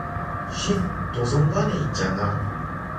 쉿! 도선관에 있잖아